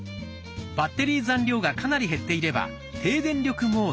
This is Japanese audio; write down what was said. バッテリー残量がかなり減っていれば「低電力モード」に。